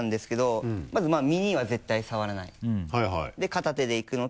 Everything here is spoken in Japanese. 片手でいくのと。